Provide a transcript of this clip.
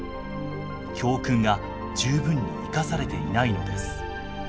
教訓が十分に生かされていないのです。